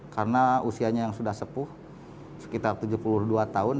karena usianya yang sudah sepuh sekitar tujuh puluh dua tahun